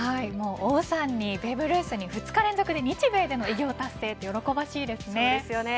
王さんにベーブ・ルースに２日連続で日米で偉業達成と喜ばしいですね。